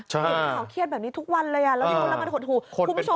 เห็นข่าวเครียดแบบนี้ทุกวันเลยแล้วทุกคนละมันหดหู